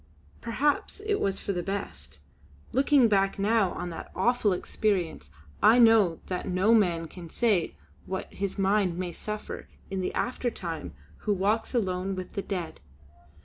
Perhaps it was for the best; looking back now on that awful experience, I know that no man can say what his mind may suffer in the aftertime who walks alone with the Dead.